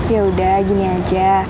yaudah gini aja